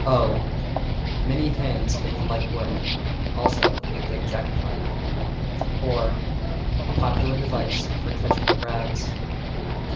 O Many hands make light work also a good Jackpot. =OAR= A popular device for catching crabs.